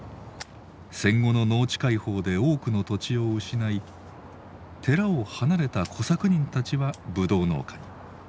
戦後の農地開放で多くの土地を失い寺を離れた小作人たちはぶどう農家に。